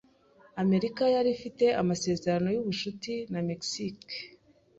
Amerika yari ifite amasezerano y'ubucuti na Mexico.